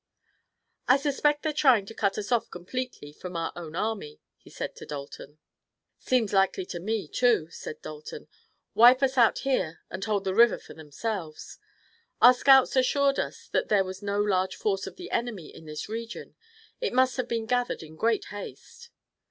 "I suspect they're trying to cut us off completely from our own army," he said to Dalton. "Seems likely to me, too," said Dalton. "Wipe us out here, and hold the river for themselves. Our scouts assured us that there was no large force of the enemy in this region. It must have been gathered in great haste."